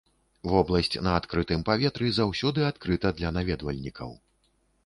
Вобласць на адкрытым паветры заўсёды адкрыта для наведвальнікаў.